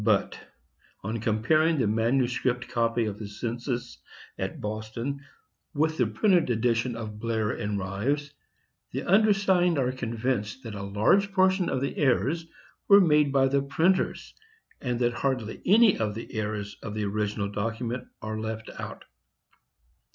"But, on comparing the manuscript copy of the census at Boston with the printed edition of Blair and Rives, the undersigned are convinced that a large portion of the errors were made by the printers, and that hardly any of the errors of the original document are left out.